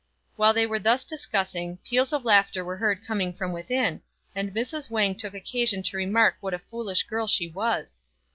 While they were thus discussing, peals of laughter were heard coming from within, and Mrs. Wang took occasion to remark what a foolish girl she was.